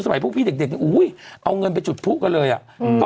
สมัยพูดพี่เด็กดี่อุ้ยเอาเงินไปจุฐภู้กันเลยอย่างอ่ะ